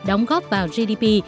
đóng góp vào gdp